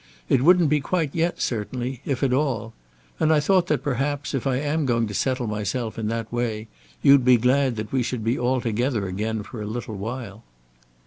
It wouldn't be quite yet certainly, if at all. And I thought that perhaps, if I am going to settle myself in that way, you'd be glad that we should be altogether again for a little while."